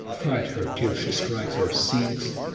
Fight her till she strikes or sinks!